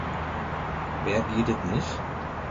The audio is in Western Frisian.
Wêr giet it mis?